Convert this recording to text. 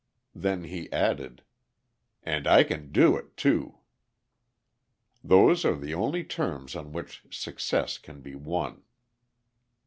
Then he added: "And I can do it, too!" Those are the only terms on which success can be won.